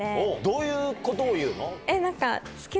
どういうことを言うの？